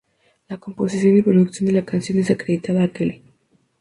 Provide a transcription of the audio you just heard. La composición y producción de la canción es acreditada a Kelly.